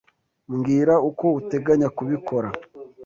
Mbwira uko uteganya kubikora.